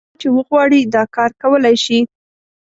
هر څوک چې وغواړي دا کار کولای شي.